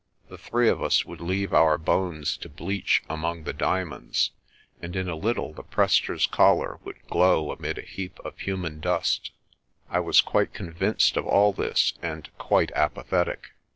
The three of us would leave our bones to bleach among the diamonds, and in a little the Prester's collar would glow amid a heap of human dust. I was quite con vinced of all this and quite apathetic.